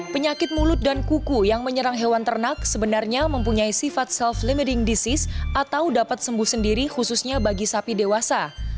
penyakit mulut dan kuku yang menyerang hewan ternak sebenarnya mempunyai sifat self limiting disease atau dapat sembuh sendiri khususnya bagi sapi dewasa